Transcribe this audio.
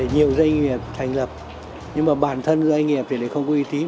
nhiều doanh nghiệp thành lập nhưng mà bản thân doanh nghiệp thì không có uy tín